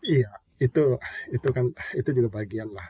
iya itu juga bagian lah